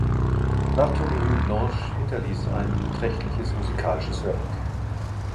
Bartomeu Blanch hinterließ ein beträchtliches musikalisches Werk.